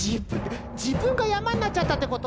じぶんがやまになっちゃったってこと？